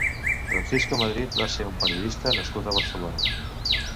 Francisco Madrid va ser un periodista nascut a Barcelona.